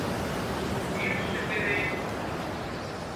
İyi misin bebeğim?